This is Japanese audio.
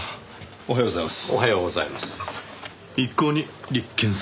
おはようございます。